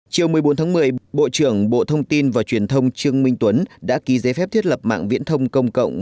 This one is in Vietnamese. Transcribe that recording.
chiều một mươi bốn tháng một mươi bộ trưởng bộ thông tin và truyền thông trương minh tuấn đã ký giấy phép thiết lập mạng viễn thông công cộng